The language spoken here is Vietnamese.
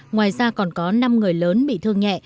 ngoài ra còn có năm người lớn bị thương nhẹ